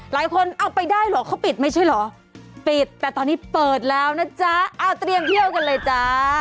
เอาไปได้เหรอเขาปิดไม่ใช่เหรอปิดแต่ตอนนี้เปิดแล้วนะจ๊ะเอาเตรียมเที่ยวกันเลยจ้า